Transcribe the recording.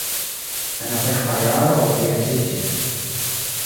En la sekva jaro li edziĝis.